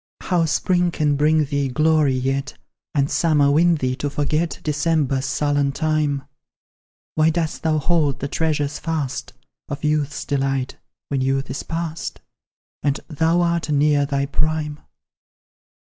How spring can bring thee glory, yet, And summer win thee to forget December's sullen time! Why dost thou hold the treasure fast, Of youth's delight, when youth is past, And thou art near thy prime?